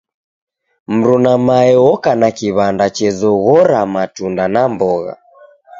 Mruna mae oka na kiw'anda chezoghora matunda na mbogha.